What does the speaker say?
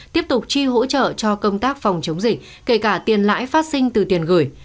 tiếp tục chi hỗ trợ cho công tác phòng chống dịch kể cả tiền lãi phát sinh từ tiền gửi